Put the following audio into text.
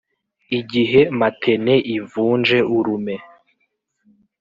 Igihe matene ivunje urume